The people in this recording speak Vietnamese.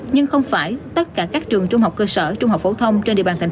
nhưng không phải tất cả các trường trung học cơ sở trung học phổ thông trên địa bàn thành